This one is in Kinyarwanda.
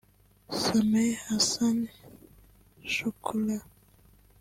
Sameh Hassan Shoukry